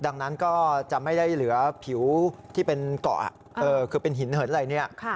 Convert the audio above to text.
ดังนั้นก็จะไม่ได้เหลือผิวที่เป็นเกาะคือเป็นหินเหินอะไรเนี่ย